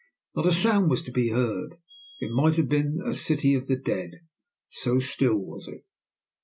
Not a sound was to be heard; it might have been a City of the Dead, so still was it.